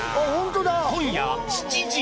今夜７時。